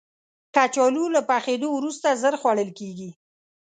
کچالو له پخېدو وروسته ژر خوړل کېږي